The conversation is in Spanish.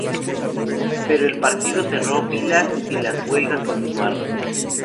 Pero el partido cerró filas y las huelgas continuaron.